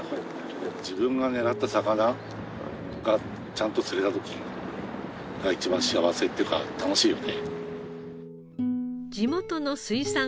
自分が狙った魚がちゃんと釣れた時が一番幸せというか楽しいよね。